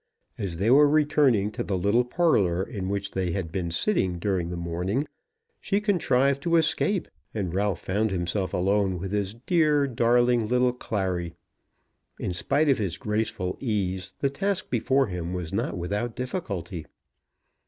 As they were returning to the little parlour in which they had been sitting during the morning, she contrived to escape, and Ralph found himself alone with his "dear, darling little Clary." In spite of his graceful ease, the task before him was not without difficulty.